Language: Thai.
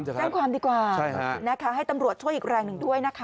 จ้างความสิครับใช่ค่ะให้ตำรวจช่วยอีกแรงหนึ่งด้วยนะคะ